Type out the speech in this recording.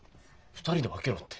２人で分けろって。